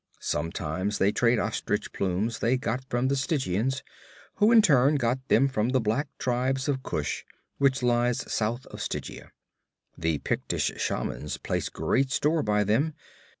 Sometimes they trade ostrich plumes they got from the Stygians, who in turn got them from the black tribes of Kush, which lies south of Stygia. The Pictish shamans place great store by them.